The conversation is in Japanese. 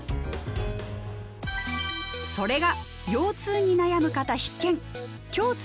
それが腰痛に悩む方必見！